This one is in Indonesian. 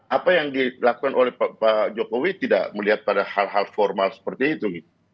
apa yang dilakukan oleh pak jokowi tidak melihat pada hal hal formal seperti itu